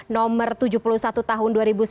nomor tujuh puluh satu tahun dua ribu sembilan belas